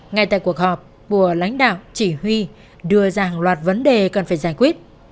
ngay tại cuộc họp bùa lãnh đạo chỉ huy đưa ra hàng loạt vấn đề cần phải giải quyết